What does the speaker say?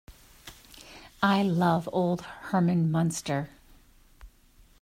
I love old Herman Munster.